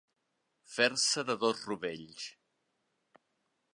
Fer-se de dos rovells.